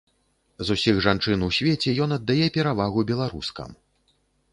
З усіх жанчын у свеце ён аддае перавагу беларускам.